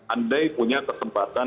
andai punya kesempatan